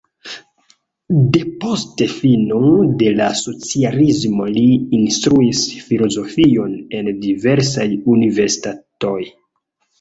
Depost fino de la socialismo li instruis filozofion en diversaj universitatoj.